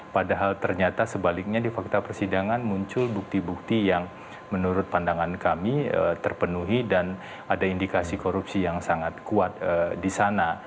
padahal ternyata sebaliknya di fakta persidangan muncul bukti bukti yang menurut pandangan kami terpenuhi dan ada indikasi korupsi yang sangat kuat di sana